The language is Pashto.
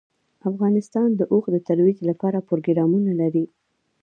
افغانستان د اوښ د ترویج لپاره پروګرامونه لري.